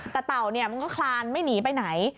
แต่เต่าคลานไม่หนีไปไหน